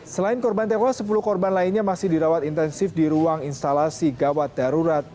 selain korban tewas sepuluh korban lainnya masih dirawat intensif di ruang instalasi gawat darurat